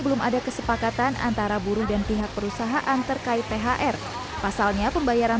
belum ada kesepakatan antara buruh dan pihak perusahaan terkait thr pasalnya pembayaran